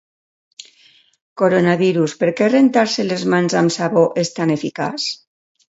Coronavirus: per què rentar-se les mans amb sabó és tan eficaç?